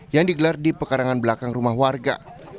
yang digelar di pekarangan belakang rumah warga